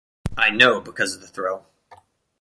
I know because of the thrill.